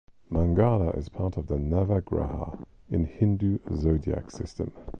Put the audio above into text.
Mangala is part of the Navagraha in Hindu zodiac system.